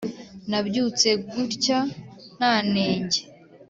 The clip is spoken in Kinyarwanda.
nabyutse gutya nta nenge.